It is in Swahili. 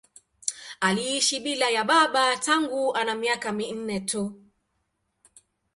Aliishi bila ya baba tangu ana miaka minne tu.